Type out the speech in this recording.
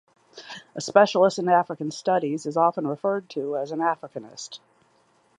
A specialist in African studies is often referred to as an "Africanist".